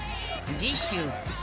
［次週］